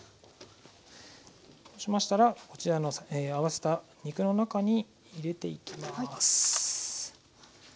そうしましたらこちらの合わせた肉の中に入れていきます。